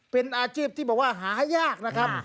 เป็นอาชีพที่บอกว่าหายากนะครับ